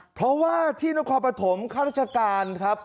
เพราะว่าที่นักความประถมฆ่าราชการครับ